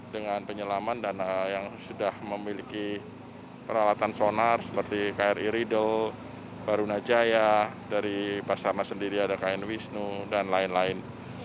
dengan penyelaman dan yang sudah memiliki peralatan sonar seperti kri riddle barunajaya dari basarnas sendiri ada kn wisnu dan lain lain